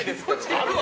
あるわ！